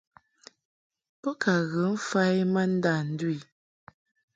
Bo ka ghə mfa i ma njuʼ ndu i.